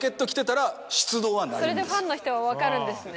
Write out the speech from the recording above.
それでファンの人は分かるんですね。